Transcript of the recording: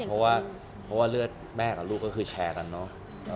เพราะว่าเลือดแม่กับลูกก็คือแชร์กันเนอะ